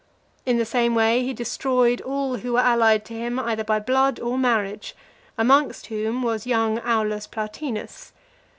In the same way, he destroyed all who were allied to him either by blood or marriage; amongst whom was young Aulus Plautinus.